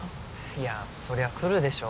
いやあそりゃ来るでしょ。